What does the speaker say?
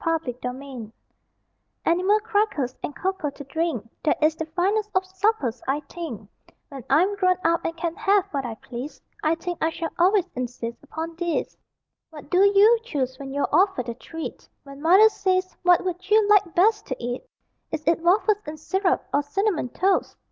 ANIMAL CRACKERS Animal crackers, and cocoa to drink, That is the finest of suppers, I think; When I'm grown up and can have what I please I think I shall always insist upon these. What do you choose when you're offered a treat? When Mother says, "What would you like best to eat?" Is it waffles and syrup, or cinnamon toast?